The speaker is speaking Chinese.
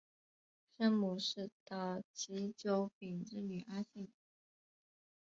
生母是岛津久丙之女阿幸。